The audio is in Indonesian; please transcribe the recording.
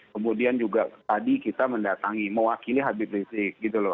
kemudian juga tadi kita mendatangi mewakili habib rizik gitu loh